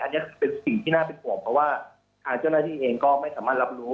อันนี้เป็นสิ่งที่น่าเป็นห่วงเพราะว่าทางเจ้าหน้าที่เองก็ไม่สามารถรับรู้